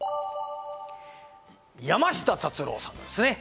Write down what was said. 山下達郎さんですね。